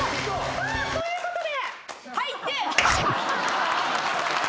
さあということで。